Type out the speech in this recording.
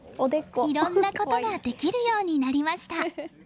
いろんなことができるようになりました。